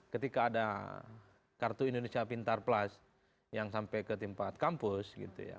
ketika ada kartu indonesia pintar plus yang sampai ke tempat kampus gitu ya